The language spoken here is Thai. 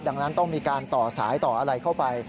ดังนั้นต้องมีการต่อสายต่ออะไรเข้าไป